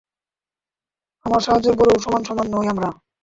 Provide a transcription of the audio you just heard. আমার সাহায্যের পরেও, সমান সমান নই আমরা।